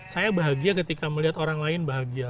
saya bahagia ketika melihat orang lain bahagia